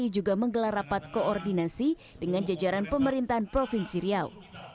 juga menggelar rapat koordinasi dengan jajaran pemerintahan provinsi riau